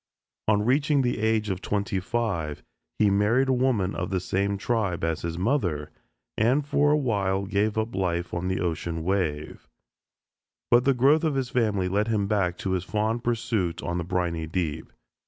On reaching the age of twenty five he married a woman of the same tribe as his mother, and for a while gave up life on the ocean wave; but the growth of his family led him back to his fond pursuit on the briny deep.